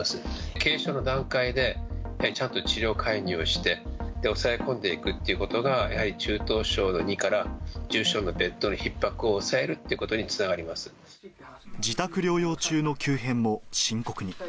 軽症の段階で、ちゃんと治療介入をして、抑え込んでいくっていうことが、やはり中等症の２から重症のベッドのひっ迫を抑えるっていうこと自宅療養中の急変も深刻に。